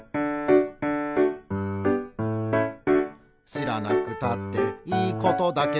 「しらなくたっていいことだけど」